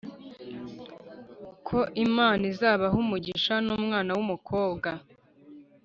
ko imana izabaha umugisha numwana wumukobwa,